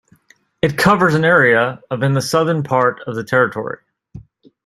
It covers an area of in the southern part of the territory.